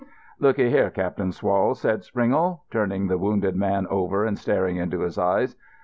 "Look 'ee here, Cap'n Swall," said Springle, turning the wounded man over and staring into his eyes.